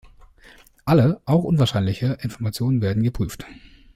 Alle, auch unwahrscheinliche, Informationen werden geprüft.